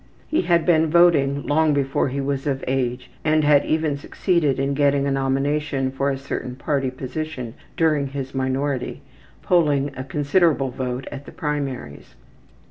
He had been voting long before he was of age and had even succeeded in getting a nomination for a certain party position during his minority, polling a considerable vote at the primaries.